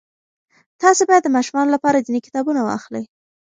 تاسې باید د ماشومانو لپاره دیني کتابونه واخلئ.